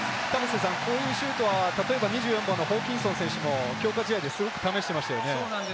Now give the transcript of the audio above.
こういうシュートは、例えば２４番のホーキンソン選手も強化試合ですごく試していましたよね。